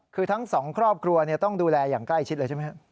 คือทั้งสองครอบครัวต้องดูแลอย่างใกล้ชิดเลยใช่ไหมครับ